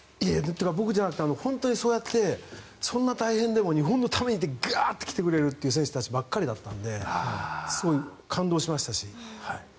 僕じゃなくて本当にそうやってそんな大変でも日本のためにってガーッと来てくれる選手たちばかりだったので感動しましたし。